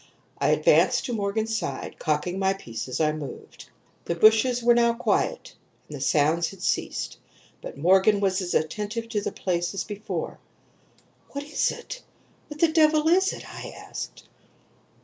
I advanced to Morgan's side, cocking my piece as I moved. "The bushes were now quiet, and the sounds had ceased, but Morgan was as attentive to the place as before. "'What is it? What the devil is it?' I asked.